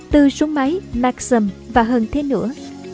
từ súng máy maxim và hơn thế nữa